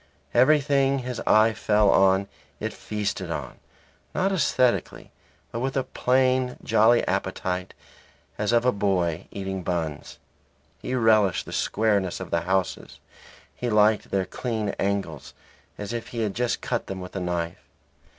Everything his eye fell on it feasted on, not aesthetically, but with a plain, jolly appetite as of a boy eating buns. He relished the squareness of the houses; he liked their clean angles as if he had just cut them with a knife.